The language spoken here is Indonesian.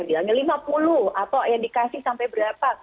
bilangnya lima puluh atau yang dikasih sampai berapa